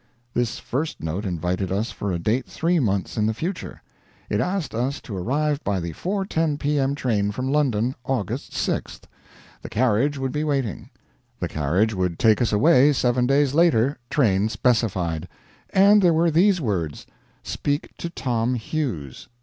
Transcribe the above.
This first note invited us for a date three months in the future. It asked us to arrive by the 4.10 p.m. train from London, August 6th. The carriage would be waiting. The carriage would take us away seven days later train specified. And there were these words: "Speak to Tom Hughes."